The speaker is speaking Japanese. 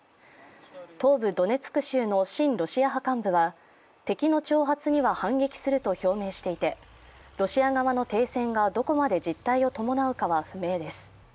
東部ドネツク州の親ロシア派幹部は敵の挑発には反撃すると表明していて、ロシア側の停戦がどこまで実態を伴うかは不明です。